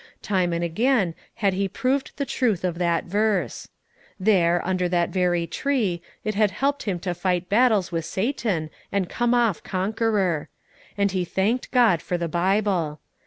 Time and again had he proved the truth of that verse. There, under that very tree, it had helped him to fight battles with Satan and come off conqueror. And he thanked God for the Bible.